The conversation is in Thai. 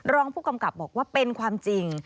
รองผู้กำกับบอกว่าเป็นความจริง